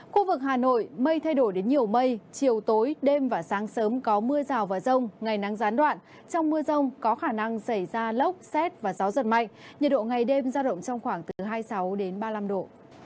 khu vực hà nội mây thay đổi đến nhiều mây chiều tối đêm và sáng sớm có mưa rào và rông ngày nắng gián đoạn trong mưa rông có khả năng xảy ra lốc xét và gió giật mạnh nhiệt độ ngày đêm ra động trong khoảng từ hai mươi sáu đến ba mươi năm độ